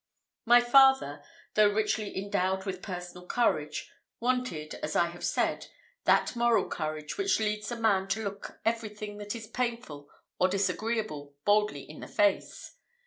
My father, though richly endowed with personal courage, wanted, as I have said, that moral courage, which leads a man to look everything that is painful or disagreeable boldly in the face.